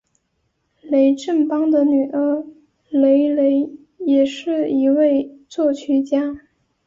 雷振邦的女儿雷蕾也是一位作曲家。